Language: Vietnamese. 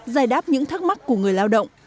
giải đáp những thắc mắc của người lao động